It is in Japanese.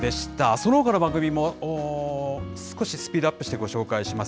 そのほかの番組も、少しスピードアップしてご紹介します。